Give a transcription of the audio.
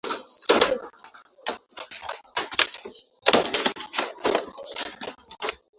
ya majengo yanye historia ya tangu karne ya Tisa hivyo hii ni fursa nzuri